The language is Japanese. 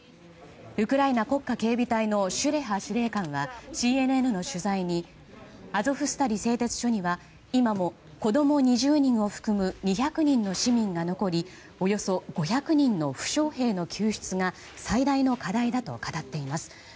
ウクライナ国家警備隊のシュレハ司令官はＣＮＮの取材にアゾフスタリ製鉄所には今も子供２０人を含む２００人の市民が残りおよそ５００人の負傷兵の救出が最大の課題だと語っています。